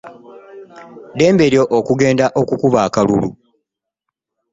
Ddembe lyo okugenda okukuba akalulu.